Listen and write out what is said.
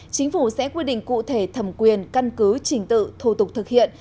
chính phủ sẽ quy định cụ thể thẩm quyền căn cứ trình tự thủ tục thực hiện